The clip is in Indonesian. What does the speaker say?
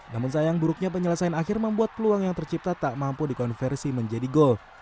namun sayang buruknya penyelesaian akhir membuat peluang yang tercipta tak mampu dikonversi menjadi gol